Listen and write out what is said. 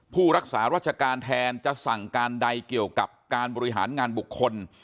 ผู้รักษาราชการแทนจะสั่งการใดเกี่ยวกับการบริหารงานบุคคล